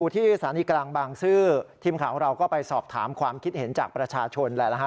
อุทธิสถานีกลางบางซื่อทีมของเราก็ไปสอบถามความคิดเห็นจากประชาชน